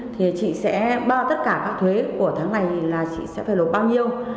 thì chị sẽ bao tất cả các thuế của tháng này thì là chị sẽ phải nộp bao nhiêu